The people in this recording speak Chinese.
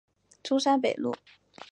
中山北路